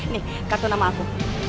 nih kartu nama aku